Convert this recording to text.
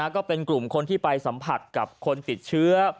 ก็เป็นกลุ่มคนที่ไปสัมผัสกับคนติดเชื้อ